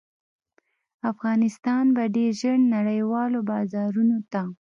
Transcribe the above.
افغانستان به ډیر ژر نړیوالو بازارونو ته